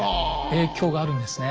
影響があるんですね。